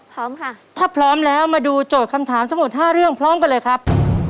พร้อมค่ะถ้าพร้อมแล้วมาดูโจทย์คำถามทั้งหมดห้าเรื่องพร้อมกันเลยครับ